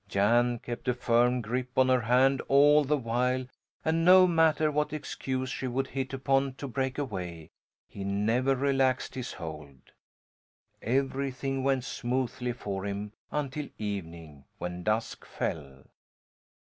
Jan kept a firm grip on her hand all the while and no matter what excuse she would hit upon to break away, he never relaxed his hold. Everything went smoothly for him until evening, when dusk fell.